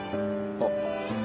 あっ。